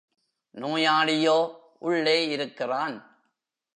நோயாளியோ உள்ளே இருக்கிறான்.